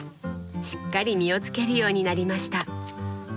しっかり実をつけるようになりました。